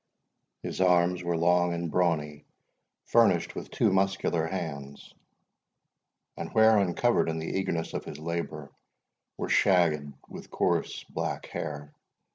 His arms were long and brawny, furnished with two muscular hands, and, where uncovered in the eagerness of his labour, were shagged with coarse black hair.